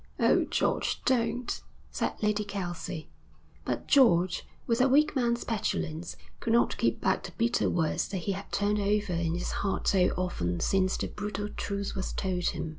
'Oh, George, don't,' said Lady Kelsey. But George, with a weak man's petulance, could not keep back the bitter words that he had turned over in his heart so often since the brutal truth was told him.